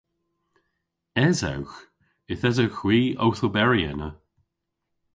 Esewgh. Yth esewgh hwi owth oberi ena.